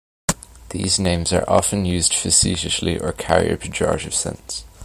These names are often used facetiously or carry a pejorative sense.